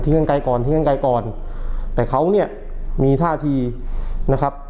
ข้างไกลก่อนทิ้งกันไกลก่อนแต่เขาเนี่ยมีท่าทีนะครับ